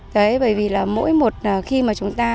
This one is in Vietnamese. đấy bởi vì là mỗi một khi mà chúng ta